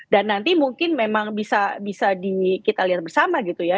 dan nanti mungkin memang bisa kita lihat bersama gitu ya